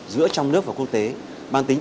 giữa trong nước và quốc tế mang tính